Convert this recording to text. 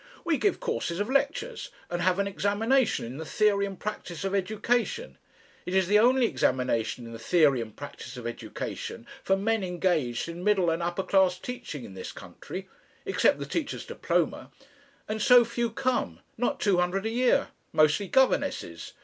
"We give courses of lectures, and have an examination in the theory and practice of education. It is the only examination in the theory and practice of education for men engaged in middle and upper class teaching in this country. Except the Teacher's Diploma. And so few come not two hundred a year. Mostly governesses.